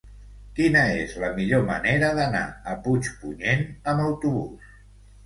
Quina és la millor manera d'anar a Puigpunyent amb autobús?